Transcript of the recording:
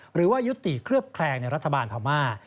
หรือว่ายุติเคลือบแคลงในรัฐบาลพม่า